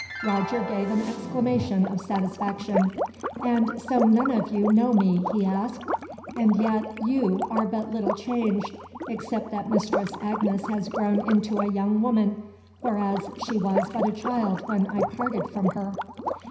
Roger gave an exclamation of satisfaction. "And so none of you know me?" he asked. "And yet, you are but little changed; except that Mistress Agnes has grown into a young woman, whereas she was but a child when I parted from her."